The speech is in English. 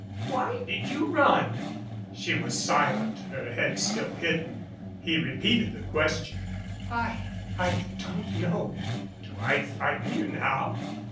Why did you run?" She was silent, her head still hidden. He repeated the question. "I I don't know." "Do I frighten you now?"